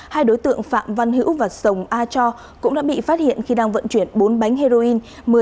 hai đối tượng phạm văn hữu và sồng a cho cũng đã bị phát hiện khi đang vận chuyển bốn bánh heroin